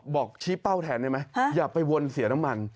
บอกชี้เป้าแทนได้ไหมอย่าไปวนเสียน้ำมัน